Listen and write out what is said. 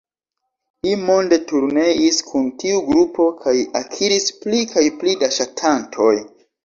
Li monde turneis kun tiu grupo kaj akiris pli kaj pli da ŝatantoj.